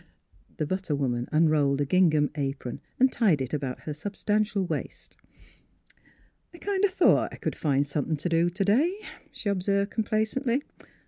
The butter woman unrolled a gingham apron and tied it about her substantial waist. " I kind o' thought I c'd find somethin' t' do t'day," she observed complacently.